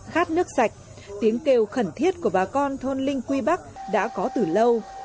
khát nước sạch tiếng kêu khẩn thiết của bà con thôn linh quy bắc đã có từ lâu